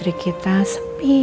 nggak ada apa apa